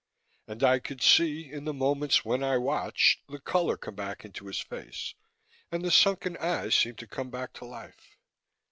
And I could see, in the moments when I watched, the color come back into his face, and the sunken eyes seem to come back to life.